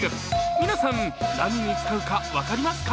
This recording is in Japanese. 皆さん、何に使うか分かりますか？